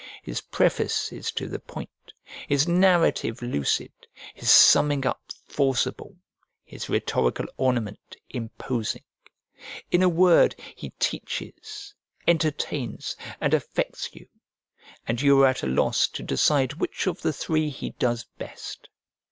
His preface is to the point, his narrative lucid, his summing up forcible, his rhetorical ornament imposing. In a word, he teaches, entertains, and affects you; and you are at a loss to decide which of the three he does best.